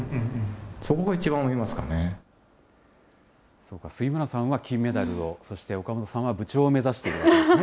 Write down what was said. そうか、杉村さんは金メダルを、そして岡本さんは部長を目指しているわけですね。